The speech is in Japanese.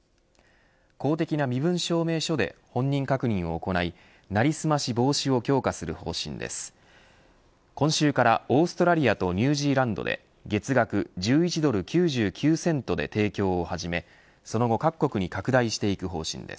公的な身分証明書で本人確認を行い成り済まし防止を強化する方針です。